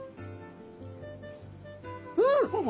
うん！